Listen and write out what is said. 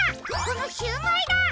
このシューマイだ！